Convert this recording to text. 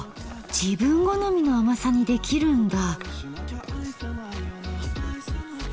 自分好みの甘さにできるんだ。